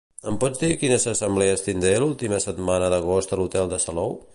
Em pots dir quines assemblees tindré l'última setmana d'agost a l'hotel de Salou?